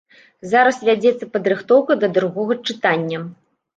Зараз вядзецца падрыхтоўка да другога чытання.